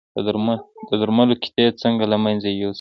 د درملو قطۍ څنګه له منځه یوسم؟